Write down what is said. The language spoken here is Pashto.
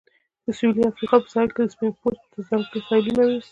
د سویلي افریقا په ساحل کې سپین پوستو ته ځانګړي ساحلونه وې.